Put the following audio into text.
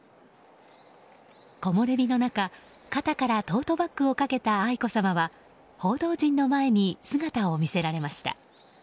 木漏れ日の中、肩からトートバッグをかけた愛子さまは報道陣の前に姿を見せられました。